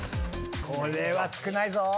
これは少ないぞ。